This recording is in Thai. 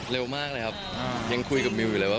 เร็วมากเลยครับยังคุยกับมิวอยู่เลยว่า